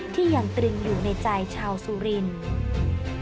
ที่ยังตรึงอยู่ในใจชาวสุรินทร์